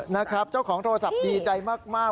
นะครับเจ้าของโทรศัพท์ดีใจมาก